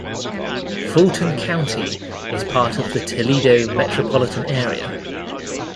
Fulton County is part of the Toledo Metropolitan Area.